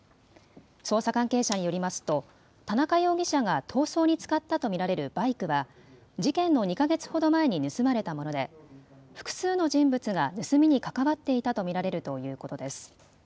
捜査関係者によりますと田中容疑者が逃走に使ったと見られるバイクは事件の２か月ほど前に盗まれたもので複数の人物が盗みに関わっていたと見られるということです。